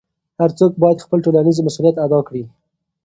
هر څوک باید خپل ټولنیز مسؤلیت ادا کړي.